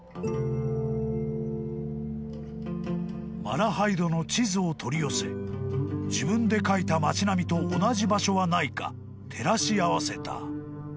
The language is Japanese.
［マラハイドの地図を取り寄せ自分で描いた街並みと同じ場所はないか照らし合わせた］